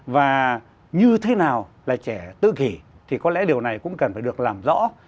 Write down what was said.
và như thế nào là trẻ tự khỉ thì có lẽ điều này cũng cần phải được làm rõ